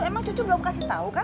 emang cucu belum kasih tau kan